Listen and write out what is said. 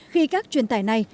khi các truyền tải này